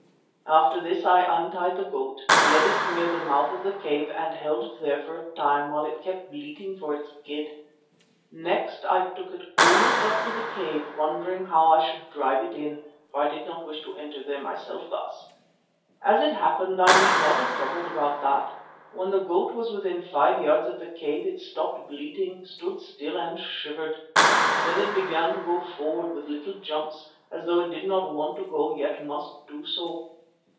"After this I untied the goat, led it near to the mouth of the cave and held it there for a time while it kept on bleating for its kid. Next I took it almost up to the cave, wondering how I should drive it in, for I did not wish to enter there myself, Baas. As it happened I need not have troubled about that. When the goat was within five yards of the cave, it stopped bleating, stood still and shivered. Then it began to go forward with little jumps, as though it did not want to go, yet must do so.